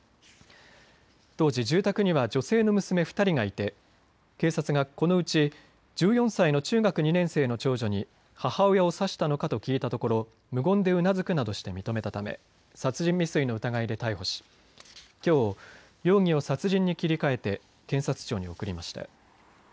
当時住宅には女性の娘２人がいて警察がこのうち１４歳の中学２年生の長女に母親を刺したのかと聞いたところ無言でうなずくなどして認めたため殺人未遂の疑いで逮捕しきょう容疑を殺人に切り替えて検察庁に送りました。